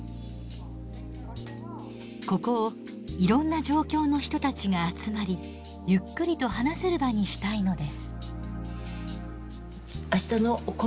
ここをいろんな状況の人たちが集まりゆっくりと話せる場にしたいのです。